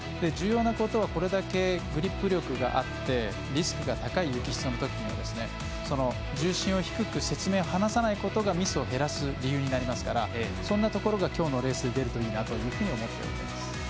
重要なことはこれだけグリップ力があってリスクが高い雪質のときには重心を低く雪面を離さないことがミスを減らす理由になりますからそんなところが今日のレースで出るといいなと思います。